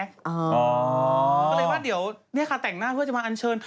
ก็เลยว่าเดี๋ยวเนี่ยค่ะแต่งหน้าเพื่อจะมาอันเชิญ